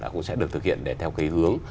cũng sẽ được thực hiện theo hướng